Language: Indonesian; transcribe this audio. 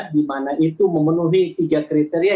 di mana itu memenuhi tiga kriteria